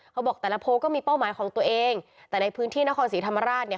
เขาบอกแต่ละโพลก็มีเป้าหมายของตัวเองแต่ในพื้นที่นครศรีธรรมราชเนี่ย